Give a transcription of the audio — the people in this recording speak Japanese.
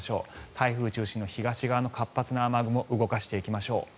台風中心の東側の活発な雨雲動かしていきましょう。